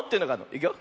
いくよ。